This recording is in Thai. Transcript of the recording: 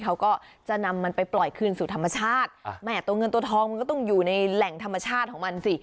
เขาก็จะนำมันไปปล่อยคืนสู่ธรรมชาติแม่ตัวเงินตัวทองมันก็ต้องอยู่ในแหล่งธรรมชาติของมันสิ